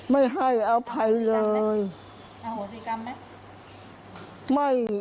ไม่ให้อภัยเลยอโหสิกรรมไหม